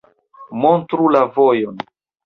Montru la vojon.